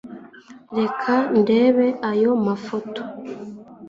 Reka ndebe ayo mafoto